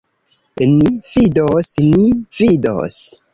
Ni vidos, ni vidos!